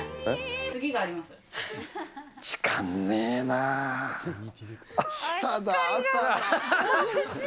次があります。